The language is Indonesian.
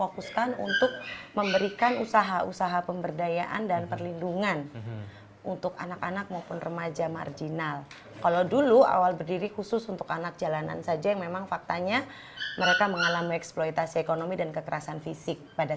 pertanyaan terakhir bagaimana penyelesaian yayasan ini